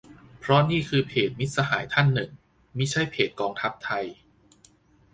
เพราะนี่คือเพจมิตรสหายท่านหนึ่งมิใช่เพจกองทัพไทย